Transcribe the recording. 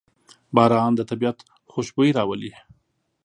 باران د طبیعت خوشبويي راولي.